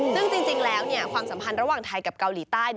ซึ่งจริงแล้วความสัมพันธ์ระหว่างไทยกับเกาหลีใต้